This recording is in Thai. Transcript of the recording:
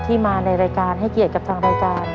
มาในรายการให้เกียรติกับทางรายการ